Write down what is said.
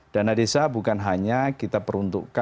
dana desa bukan hanya kita peruntukkan